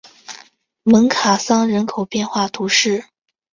蒙卡桑人口变化图示